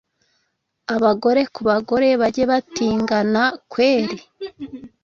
abagore kubagore bajye batingana kweri